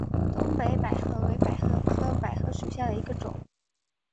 东北百合为百合科百合属下的一个种。